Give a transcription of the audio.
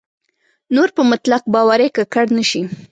نور په مطلق باورۍ ککړ نه شي.